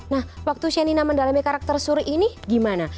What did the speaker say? nah waktu shenina mendalami karakter suri ini gimana